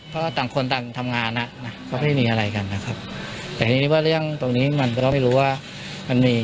เพราะต่างคนต่างทำงานก็ไม่มีอะไรกันนะครับ